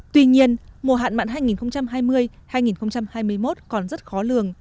tuy nhiên mùa hạn mặn hai nghìn hai mươi hai nghìn hai mươi một còn rất khó lường